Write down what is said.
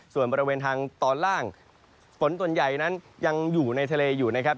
ส่วนบริเวณทางตอนล่างฝนส่วนใหญ่นั้นยังอยู่ในทะเลอยู่นะครับ